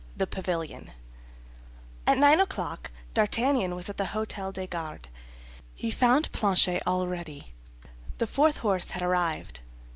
THE PAVILION At nine o'clock D'Artagnan was at the Hôtel des Gardes; he found Planchet all ready. The fourth horse had arrived.